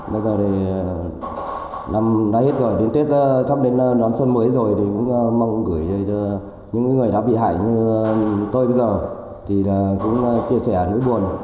bây giờ thì năm đã hết rồi đến tết sắp đến đón xuân mới rồi thì cũng mong gửi những người đã bị hại như tôi bây giờ thì cũng chia sẻ nỗi buồn